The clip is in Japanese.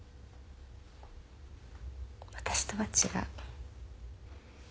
私とは違う。